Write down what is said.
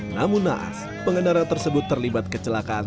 namun naas pengendara tersebut terlibat kecelakaan